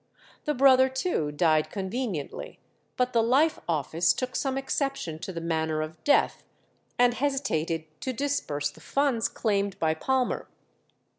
The brother too died conveniently, but the life office took some exception to the manner of the death, and hesitated to disburse the funds claimed by Palmer.